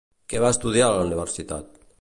Què va estudiar a la universitat?